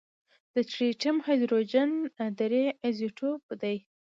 د ټریټیم هایدروجن درې ایزوټوپ دی.